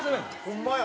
ホンマや。